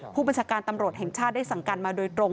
ผู้บัญชาการตำรวจแห่งชาติได้สั่งการมาโดยตรง